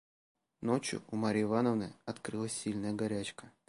Ночью у Марьи Ивановны открылась сильная горячка.